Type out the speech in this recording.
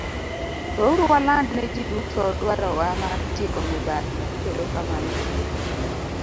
Weuru waland ne ji duto dwarowa mar tieko mibadhi, erokamano.